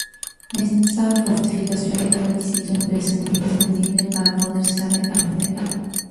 Esa fortificación era requisito imprescindible para poder ser cabeza de alfoz.